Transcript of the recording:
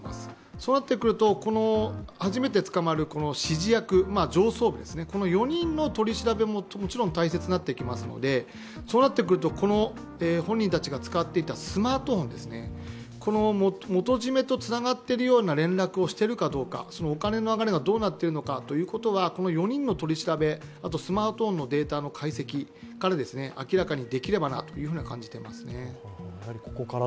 そうなってくると、初めて捕まる指示役上層部、この４人の取り調べももちろん大切になってきますので、この本人たちが使っていたスマートフォン元締めとつながっているような連絡をしているかどうかお金の流れがどうなっているのかは、この４人の取り調べあとスマートフォンのデータの解析から明らかにできればなという感じですね。